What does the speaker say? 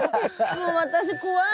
もう私怖い。